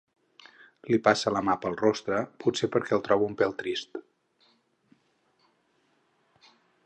Li passa la mà pel rostre, potser perquè el troba un pèl trist.